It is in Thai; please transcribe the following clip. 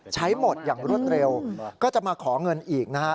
ใช้หมดอย่างรวดเร็วก็จะมาขอเงินอีกนะฮะ